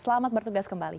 selamat bertugas kembali